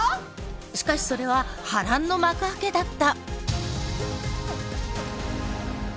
しかしそれは波乱の幕開けだった。